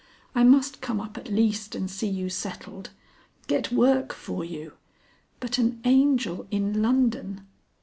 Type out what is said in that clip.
I must come up at least and see you settled. Get work for you. But an Angel in London!